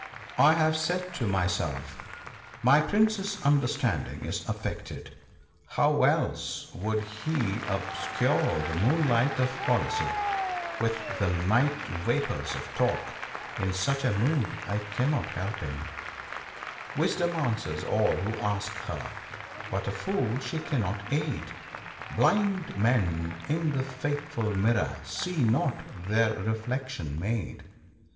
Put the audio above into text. I have said to myself, ' My Prince's understanding is affected — how else would he obscure the moonlight of policy with the night vapours of talk ;' in such a mood I cannot help him, —" Wisdom answers all who ask her, but a fool she cannot aid ; Blind men in the faithful mirror see not their reflection made.